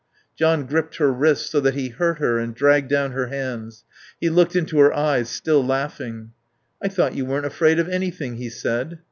John gripped her wrists so that he hurt her and dragged down her hands. He looked into her eyes, still laughing. "I thought you weren't afraid of anything," he said.